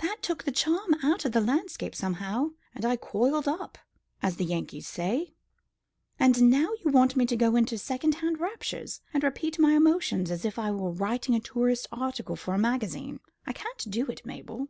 That took the charm out of the landscape somehow, and I coiled up, as the Yankees say. And now you want me to go into second hand raptures, and repeat my emotions, as if I were writing a tourist's article for a magazine. I can't do it, Mabel."